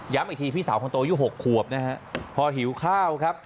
ย้ำอีกทีพี่สาวคนโตยุ๖ขวบนะครับพอหิวข้าวครับ